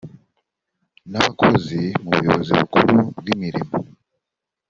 n abakozi mu buyobozi bukuru bw imirimo